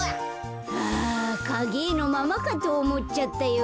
あかげえのままかとおもっちゃったよ。